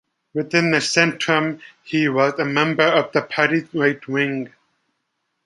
Within the "Zentrum", he was a member of the party's right wing.